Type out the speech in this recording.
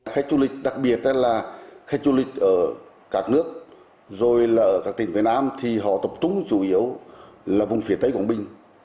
khách du lịch đặc biệt là khách du lịch ở các nước rồi là ở các tỉnh phía nam thì họ tập trung chủ yếu là vùng phía tây quảng bình